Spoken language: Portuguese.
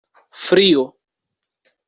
Frio